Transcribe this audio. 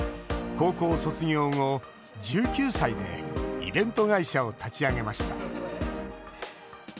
高校卒業後、１９歳でイベント会社を立ち上げました。